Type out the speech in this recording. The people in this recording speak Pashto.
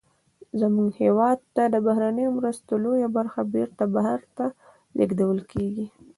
زمونږ هېواد ته د بهرنیو مرستو لویه برخه بیرته بهر ته لیږدول کیږي.